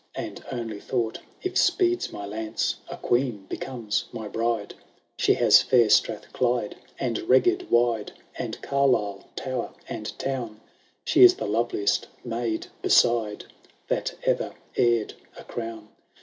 And only thought, ' If speeds my lance, A queen becomes my biide ! She has fair Strath* Clyde, and Reged wide, And Carlisle tower and town ■, She is the loveliest maid, beside, That ever heir'd a crown.'